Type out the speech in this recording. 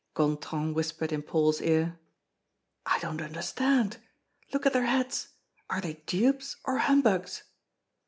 Gontran whispered in Paul's ear: "I don't understand. Look at their heads. Are they dupes or humbugs?"